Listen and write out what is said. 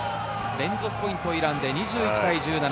連続ポイント、イランで２１対１７。